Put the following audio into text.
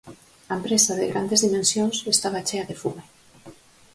A empresa, de grandes dimensións, estaba chea de fume.